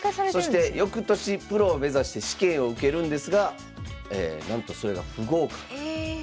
そして翌年プロを目指して試験を受けるんですがなんとそれが不合格。え！